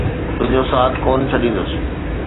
تنهنجو ساٿ ڪونہ ڇڏيندس.